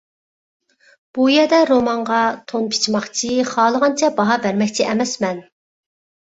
بۇ يەردە رومانغا تون پىچماقچى، خالىغانچە باھا بەرمەكچى ئەمەسمەن.